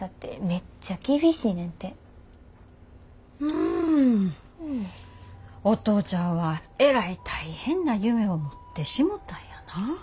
んお父ちゃんはえらい大変な夢を持ってしもたんやな。